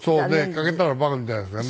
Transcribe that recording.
欠けたら馬鹿みたいですよね。